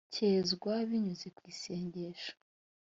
cyezwa binyuze ku isengesho